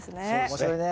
面白いね。